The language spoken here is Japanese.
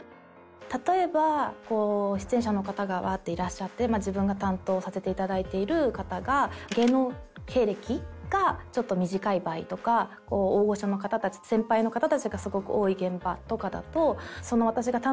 例えばこう出演者の方がワーッていらっしゃって自分が担当させていただいてる方が芸能経歴がちょっと短い場合とか大御所の方たち先輩の方たちがすごく多い現場とかだと。